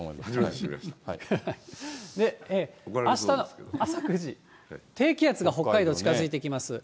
あしたの朝９時、低気圧が北海道、近づいてきます。